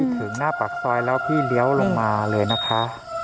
ถึงหน้าปากซอยแล้วพี่เลี้ยวลงมาเลยนะคะ